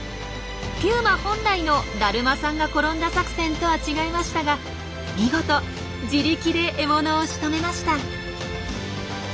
ピューマ本来の「だるまさんが転んだ作戦」とは違いましたが見事自力で獲物をしとめました。